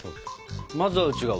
まずは内側。